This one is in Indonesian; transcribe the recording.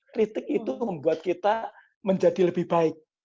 kritik itu membuat kita menjadi lebih baik